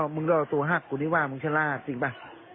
มึงก็ตัวหักกูนี่ว่ามึงชะล่าจริงป่ะ